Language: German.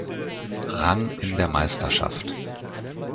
Rang in der Meisterschaft.